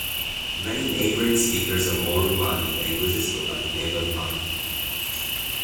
Many neighboring speakers of Moru-Madi languages go by the name of Madi.